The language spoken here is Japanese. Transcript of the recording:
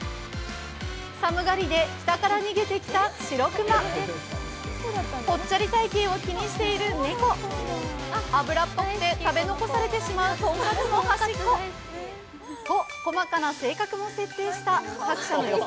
寒がりで北から逃げてきたしろくま、ぽっちゃり体型を気にしている猫、油っぽくて食べ残されてしまうとんかつのはしっこ。と細かな性格も設定した作者のよこ